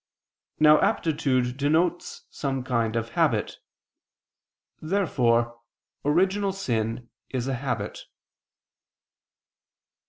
Now aptitude denotes some kind of habit. Therefore original sin is a habit.